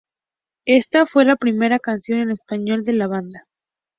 Esta fue la primera canción en español de la banda.